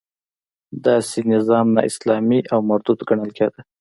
داسې نظام نا اسلامي او مردود ګڼل کېده.